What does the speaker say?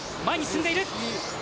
前に進んでいる。